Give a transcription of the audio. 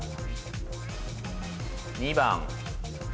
２番。